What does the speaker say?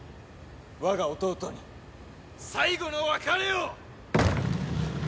我が弟に最後の別れを！